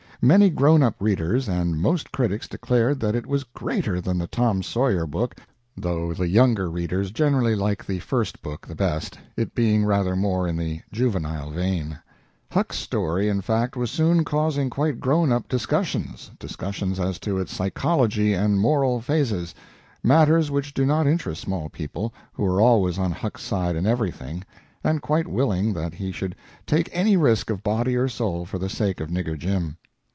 Many grown up readers and most critics declared that it was greater than the "Tom Sawyer" book, though the younger readers generally like the first book the best, it being rather more in the juvenile vein. Huck's story, in fact, was soon causing quite grown up discussions discussions as to its psychology and moral phases, matters which do not interest small people, who are always on Huck's side in everything, and quite willing that he should take any risk of body or soul for the sake of Nigger Jim.